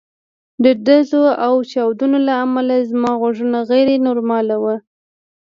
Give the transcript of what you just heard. د ډزو او چاودنو له امله زما غوږونه غیر نورمال وو